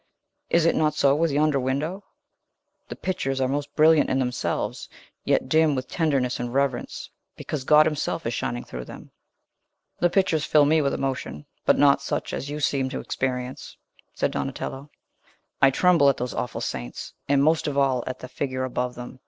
Is it not so with yonder window? The pictures are most brilliant in themselves, yet dim with tenderness and reverence, because God himself is shining through them." "The pictures fill me with emotion, but not such as you seem to experience," said Donatello. "I tremble at those awful saints; and, most of all, at the figure above them.